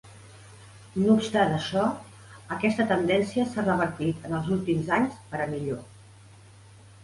No obstant això, aquesta tendència s'ha revertit en els últims anys per a millor.